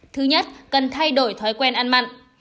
thứ nhất cần thay đổi thói quen ăn mặn